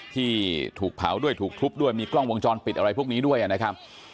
ที่ถูกเผาด้วยถูกทุบด้วยมีกล้องวงจรปิดอะไรพวกนี้ด้วยนะครับ